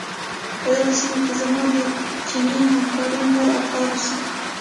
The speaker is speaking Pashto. په دغې سيمې کې زما د چيني همکارې مور او پلار اوسيږي.